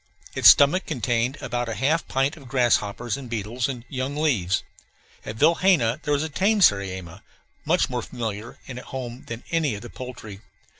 Its stomach contained about half a pint of grass hoppers and beetles and young leaves. At Vilhena there was a tame sariema, much more familiar and at home than any of the poultry.